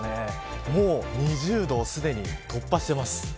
もう２０度をすでに突破しています。